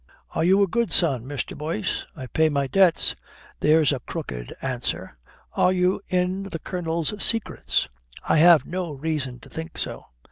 "Are you a good son, Mr. Boyce?" "I pay my debts." "There's a crooked answer. Are you in the Colonel's secrets?" "I have no reason to think so."